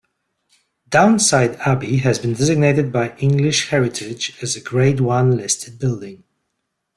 Downside Abbey has been designated by English Heritage as a grade one listed building.